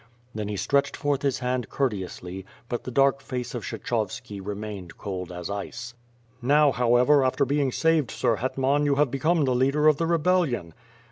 Then he stretched forth his hand courteously, but the dark face of Kshechovski remained cold as ice. "Now, however, after being saved, Sir Hetman, you have become the leader of the rebellion."